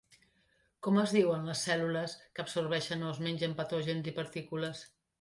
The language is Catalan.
Com es diuen les cèl·lules que absorbeixen o es mengen patògens i partícules?